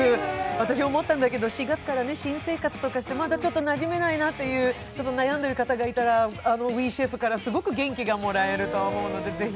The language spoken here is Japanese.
私思ったんだけど、４月から新生活とかしてまだちょっとなじめないなと悩んでいる人がいたら、あの「ウィ、シェフ！」からすごく元気がもらえると思うのでぜひ。